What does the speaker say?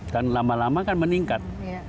dan lama lama kan meningkat